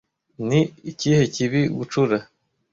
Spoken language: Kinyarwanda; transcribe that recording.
ni ikihe kibi Gucura